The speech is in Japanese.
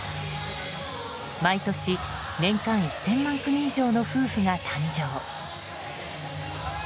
毎年、年間１０００万組以上の夫婦が誕生。